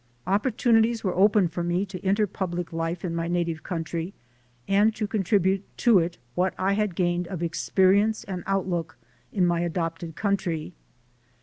Opportunities were open for me to enter public life in my native country and to contribute to it what I had gained of experience and outlook in my adopted country.